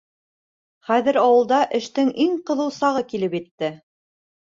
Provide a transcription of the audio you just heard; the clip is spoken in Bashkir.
Хәҙер ауылда эштең иң ҡыҙыу сағы килеп етте.